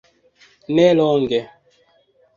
Ne longe.